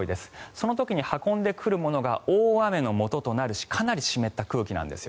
その時に運んでくるものが大雨のもととなるかなり湿った空気なんです。